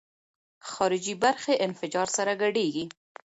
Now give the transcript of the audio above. خارجي برخې انفجار سره ګډېږي.